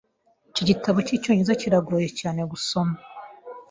Iki gitabo cyicyongereza kirangoye cyane gusoma.